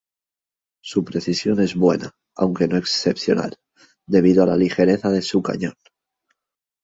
Su precisión es buena, aunque no excepcional, debido a la ligereza de su cañón.